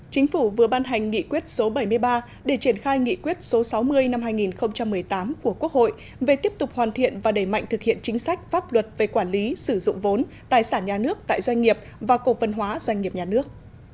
chính phủ vừa ban hành nghị quyết số bảy mươi ba để triển khai nghị quyết số sáu mươi năm hai nghìn một mươi tám của quốc hội về tiếp tục hoàn thiện và đẩy mạnh thực hiện chính sách pháp luật về quản lý sử dụng vốn tài sản nhà nước tại doanh nghiệp và cổ phân hóa doanh nghiệp nhà nước